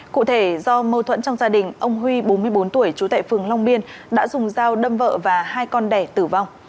cụ thể do mâu thuẫn trong gia đình ông huy bốn mươi bốn tuổi trú tại phường long biên đã dùng dao đâm vợ và hai con đẻ tử vong